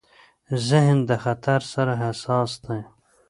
ذهن د خطر سره حساس دی.